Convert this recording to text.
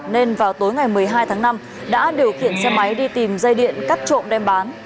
nên vào tối ngày một mươi hai tháng năm đã điều khiển xe máy đi tìm dây điện cắt trộm đem bán